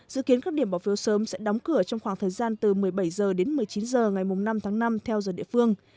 dự kiến các điểm bỏ phiếu sớm sẽ đóng cửa trong khoảng thời gian từ một mươi bảy h đến một mươi chín h ngày năm tháng năm theo giờ địa phương